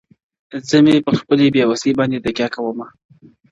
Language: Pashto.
زه مي پر خپلي بې وسۍ باندي تکيه کومه.